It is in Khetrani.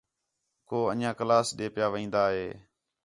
کُو اِنڄیاں کلاس ݙے پِیا وین٘دا ہے